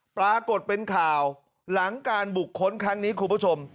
ปรากฏเป็นข่าวหลังการบุคคลครั้งนี้คุณผู้ชม